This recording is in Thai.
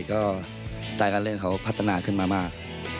ก็สไตล์การเล่นเขาพัฒนาขึ้นมามาก